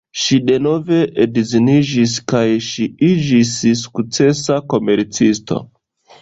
Ŝi denove edziniĝis kaj ŝi iĝis sukcesa komercisto.